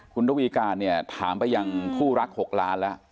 คุณระวีการเนี่ยถามไปยังคู่รัก๖ล้านแล้ว